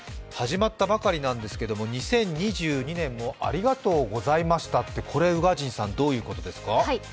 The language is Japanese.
始まったばかりなんですけれども、２０２２年もありがとうございましたって、これ、宇賀神さん、どういうことですか？